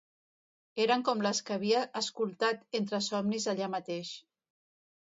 Eren com les que havia escoltat entre somnis allà mateix.